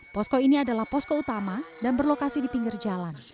posko ini adalah posko utama dan berlokasi di pinggir jalan